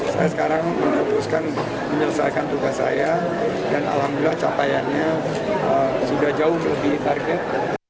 saya sekarang memutuskan menyelesaikan tugas saya dan alhamdulillah capaiannya sudah jauh lebih target